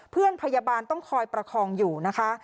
เพื่อนพยาบาลต้องคอยประคองอยู่นะคะ